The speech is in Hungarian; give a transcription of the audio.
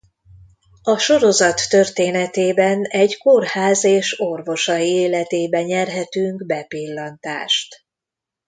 A sorozat történetében egy kórház és orvosai életébe nyerhetünk bepillantást.